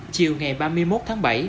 chiều ngày ba mươi một tháng bảy